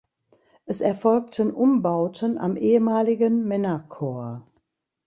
Es erfolgten Umbauten am ehemaligen Männerchor.